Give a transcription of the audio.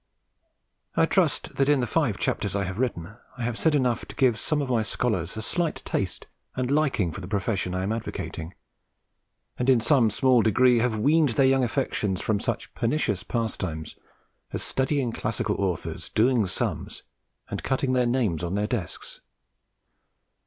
I trust that, in the five chapters I have written, I have said enough to give some of my scholars a slight taste and liking for the profession I am advocating, and in some small degree have weaned their young affections from such pernicious pastimes as studying classical authors, doing sums, and cutting their names on their desks.